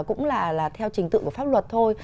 cũng là theo trình tự của pháp luật thôi